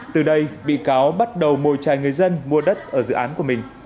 từ đây bị cáo bắt đầu mồi trài người dân mua đất ở dự án của mình